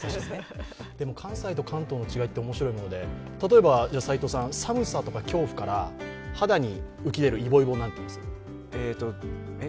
関西と関東の違いって面白いもので例えば寒さとか恐怖から肌に浮き出るイボイボ、何と言いますか？